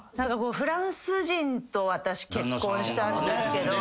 フランス人と私結婚したんですけど。